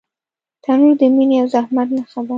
تنور د مینې او زحمت نښه ده